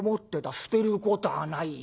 捨てることはないよ。